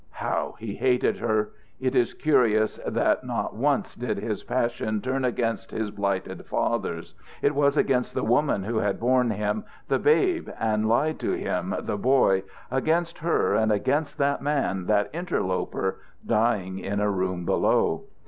How he hated her! It is curious that not once did his passion turn against his blighted fathers; it was against the woman who had borne him, the babe, and lied to him, the boy against her, and against that man, that interloper, dying in a room below.